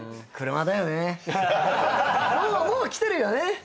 もうきてるよね。